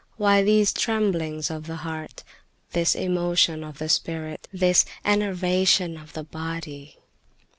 Why these tremblings of the heart, this emotion of the spirit, this enervation of the body?